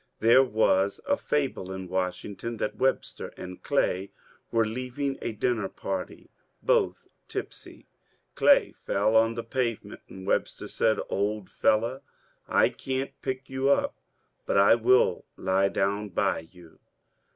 There was a fable in Washington that Webster and Clay were leaving a dinner party, both tipsy; Clay fell on the pavement, and Webster said :^^ Old fellow, I can't pick you up, but I will lie down by you."